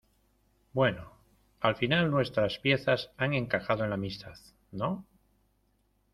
bueno, al final nuestras piezas han encajado en la amistad ,¿ no?